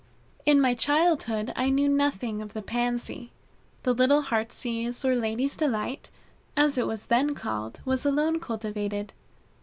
In my childhood I knew nothing of the Pansy. The little Heartsease or Ladies' Delight, as it was then called, was alone cultivated.